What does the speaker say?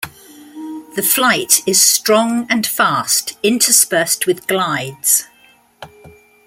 The flight is strong and fast, interspersed with glides.